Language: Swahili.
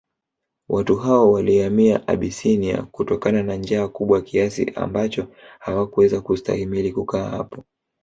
Watu hao waliihama Abysinia kutokana na njaa kubwa kiasi ambacho hawakuweza kustahimili kukaa hapo